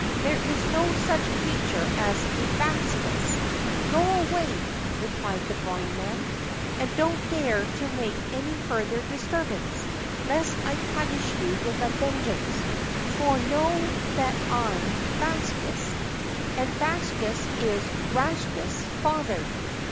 There is no such creature as a Bakshas!" "Go away," replied the Blind Man, "and don't dare to make any further disturbance, lest I punish you with a vengeance; for know that I'm Bakshas, and Bakshas is Rakshas's father."